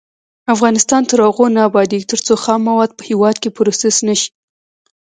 افغانستان تر هغو نه ابادیږي، ترڅو خام مواد په هیواد کې پروسس نشي.